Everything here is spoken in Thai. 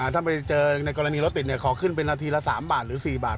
ถ้าไปเจอในกรณีรถติดขอขึ้นเป็นนาทีละ๓บาทหรือ๔บาท